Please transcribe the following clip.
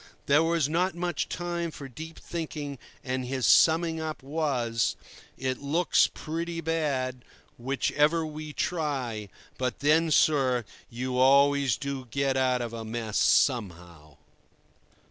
There was not much time for deep thinking, and his summing up was: "It looks pretty bad, whichever we try; but, then, sir, you always do get out of a mess somehow."